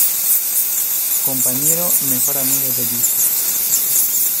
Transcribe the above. Compañero y mejor amigo de Liz.